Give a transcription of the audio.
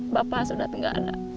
bapak sudah tidak ada